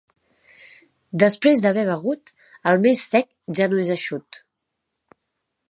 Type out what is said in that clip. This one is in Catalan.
Després d'haver begut, el més sec ja no és eixut.